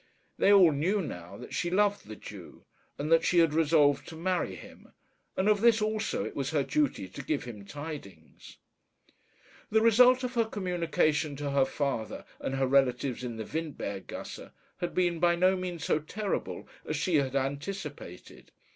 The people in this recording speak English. They all knew now that she loved the Jew, and that she had resolved to marry him; and of this also it was her duty to give him tidings. The result of her communication to her father and her relatives in the Windberg gasse had been by no means so terrible as she had anticipated.